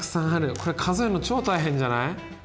これ数えんの超大変じゃない？